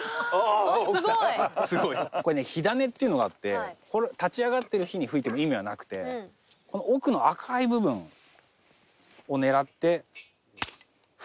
これね火種っていうのがあって立ち上がってる火に吹いても意味はなくてこの奥の赤い部分を狙ってフッて吹くと。